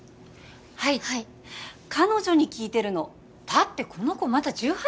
はいはい彼女に聞いてるのだってこの子まだ１８よ？